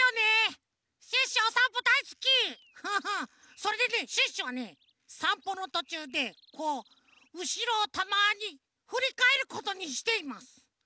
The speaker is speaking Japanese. それでねシュッシュはねさんぽのとちゅうでこううしろをたまにふりかえることにしています。